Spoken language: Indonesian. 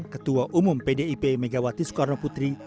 ketua umum pdip megawati soekarnoputri